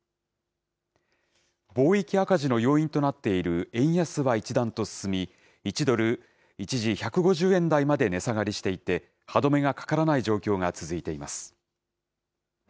貿易赤字の要因となっている円安は一段と進み、１ドル一時１５０円台まで値下がりしていて、歯止めがかからない状況が続いています。